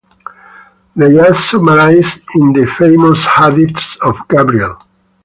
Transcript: They are summarized in the famous hadith of Gabriel.